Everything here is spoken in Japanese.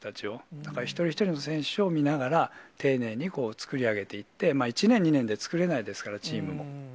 だから、一人一人の選手を見ながら、丁寧に作り上げていって、１年、２年で作れないですから、チームも。